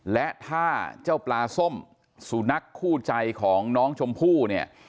และถ้าเจ้าปลาส้มสุนัขคู่ใจของน้องชมพู่เนี่ย